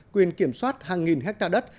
quyền kiểm soát hàng nghìn hectare đất